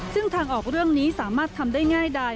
ซึ่งทางออกเรื่องนี้สามารถทำได้ง่ายดาย